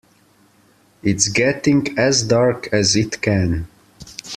It’s getting as dark as it can.